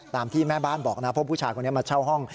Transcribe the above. ตามที่แม่บ้านบอกนะครับพวกผู้ชายคนนี้มาเช่าห้อง